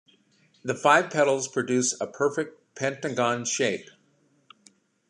The five petals produce a perfect pentagon shape.